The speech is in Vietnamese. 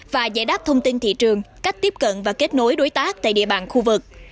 và giải đáp thông tin thị trường cách tiếp cận và kết nối đối tác tại địa bàn khu vực